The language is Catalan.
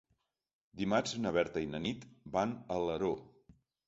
Dimarts na Berta i na Nit van a Alaró.